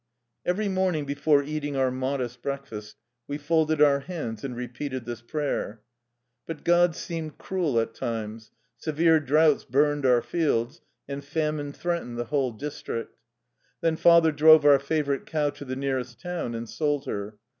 Every morning before eating our modest breakfast, we folded our hands and repeated this prayer. But God seemed cruel at times. Severe droughts burned our fields, and famine threat ened the whole district. Then father drove our favorite cow to the nearest town and sold her.